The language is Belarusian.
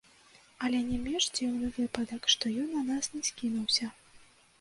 Але не менш дзіўны выпадак, што ён на нас не скінуўся.